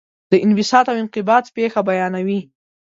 د انبساط او انقباض پېښه بیانوي.